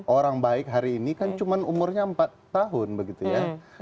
orang baik hari ini kan cuma umurnya empat tahun begitu ya